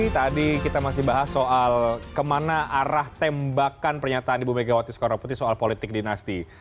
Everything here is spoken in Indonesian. tadi kita masih bahas soal kemana arah tembakan pernyataan ibu megawati soekarno putri soal politik dinasti